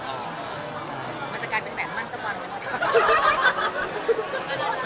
เหมือนแบบมันกับมัน